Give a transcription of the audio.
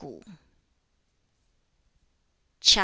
CHAP.